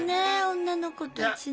女の子たちね。